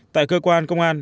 tại cơ quan công an